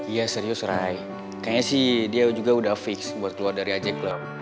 iya serius ray kayaknya sih dia juga udah fix buat keluar dari aj club